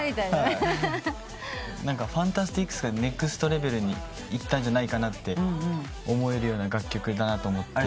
ＦＡＮＴＡＳＴＩＣＳがネクストレベルにいったんじゃないかなと思えるような楽曲だなと思って。